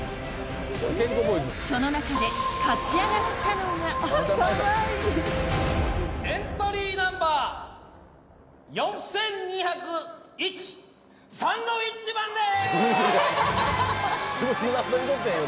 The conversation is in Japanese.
その中で勝ち上がったのがエントリーナンバー４２０１サンドウィッチマンです！